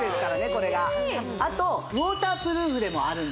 これがわあ素晴らしいあとウォータープルーフでもあるんですね